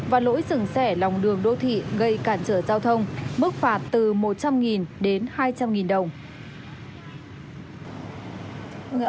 và lỗi dừng xẻ lòng đường đô thị gây cản trở giao thông mức phạt từ một trăm linh đến hai trăm linh đồng